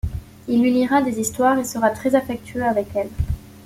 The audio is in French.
Il lui lira des histoires et sera très affectueux avec elle.